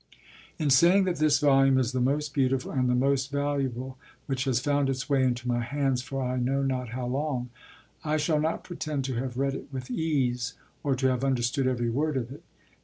In saying that this volume is the most beautiful and the most valuable which has found its way into my hands for I know not how long, I shall not pretend to have read it with ease, or to have understood every word of it.